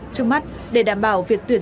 trước mắt để đảm bảo việc tuyển sinh